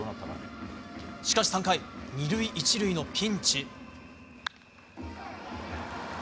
しかし３回、２塁１塁のピンチ。